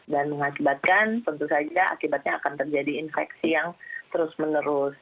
dan mengakibatkan tentu saja akan terjadi infeksi yang terus menerus